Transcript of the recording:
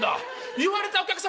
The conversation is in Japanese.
言われたお客様